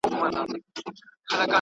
هغه چې وايي درته